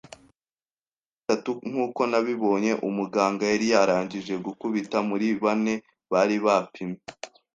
icya gatatu, nkuko nabibonye, umuganga yari yarangije gukubita. Muri bane bari bapimye